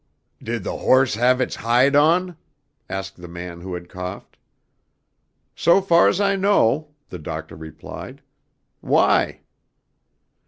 "Did the horse have its hide on?" asked the man who had coughed. "So far's I know," the Doctor replied. "Why?"